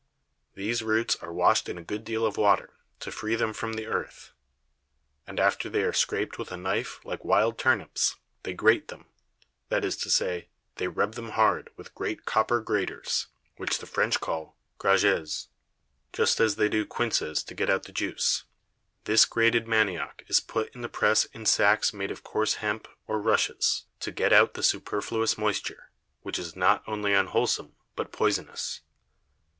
These Roots are wash'd in a good deal of Water, to free them from the Earth; and after they are scraped with a Knife like wild Turnips, they grate them; that is to say, they rub them hard with great Copper Graters, which the French call Grages, just as they do Quinces to get out the Juice. This grated Manioc is put in the Press in Sacks made of coarse Hemp, or Rushes, to get out the superfluous Moisture, which is not only unwholesome, but poisonous.